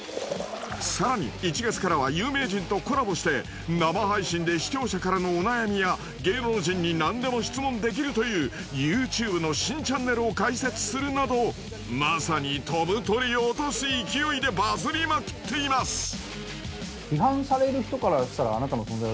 更に１月からは有名人とコラボして生配信で視聴者からのお悩みや芸能人になんでも質問できるというＹｏｕＴｕｂｅの新チャンネルを開設するなどまさに飛ぶ鳥を落とす勢いでバズりまくっています！